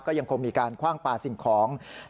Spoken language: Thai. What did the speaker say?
ก็ยังคงมีการคว่างปลาสิ่งของ